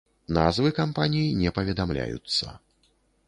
Назвы кампаній не паведамляюцца.